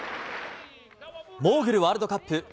モーグルワールドカップ。